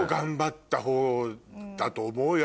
方だと思うよ